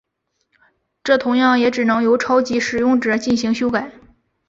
这同样也只能由超级使用者进行修改。